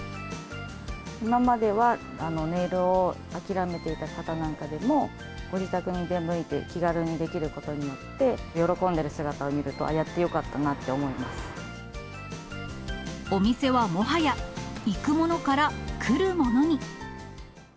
今まではネイルを諦めていた方なんかでも、ご自宅に出向いて気軽にできることによって、喜んでる姿を見ると、あ、お店はもはや、行くものから来るものに。